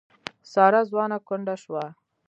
ساره ځوانه کونډه شوه.